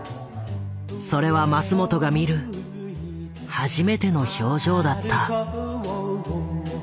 それはマスモトが見る初めての表情だった。